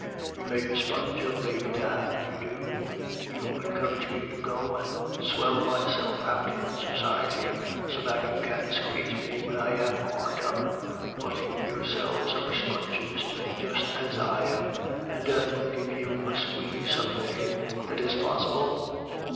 "'You make a sponge of me, begad! you do. You encourage me to go and swell myself out in society, so that you can squeeze me when I am hard up; but you yourselves are sponges, just as I am, and death will give you a squeeze some day.' "'That is possible.